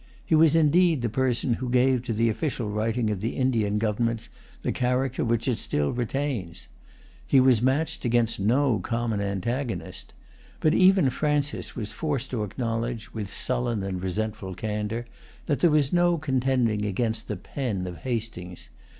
He was indeed the person who gave to the official writing of the Indian governments the character which it still retains. He was matched against no common antagonist. But even Francis was forced to acknowledge, with sullen and resentful candor, that there was no contending against the pen of Hastings.